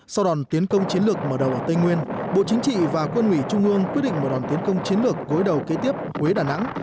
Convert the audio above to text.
sau đòn tiến công chiến lược mở đầu ở tây nguyên bộ chính trị và quân ủy trung ương quyết định một đòn tiến công chiến lược cuối đầu kế tiếp quế đà nẵng